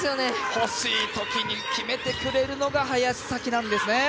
ほしいときに決めてくれるのが林咲希なんですね。